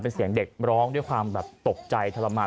เป็นเสียงเด็กร้องด้วยความแบบตกใจทรมาน